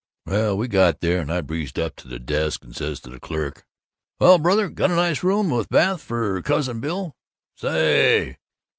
"Well, we got there, and I breezed up to the desk and said to the clerk, 'Well, brother, got a nice room with bath for Cousin Bill?' Saaaay!